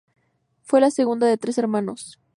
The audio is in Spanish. Fue la segunda de tres hermanos.